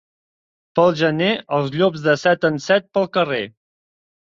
Pel gener els llops de set en set pel carrer.